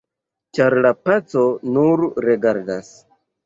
ĉar la paco nur regadas